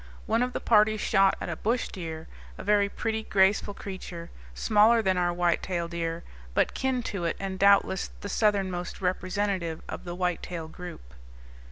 One of the party shot a bush deer a very pretty, graceful creature, smaller than our whitetail deer, but kin to it and doubtless the southernmost representative of the whitetail group.